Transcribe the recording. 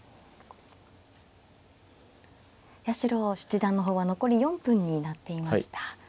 八代七段の方は残り４分になっていました。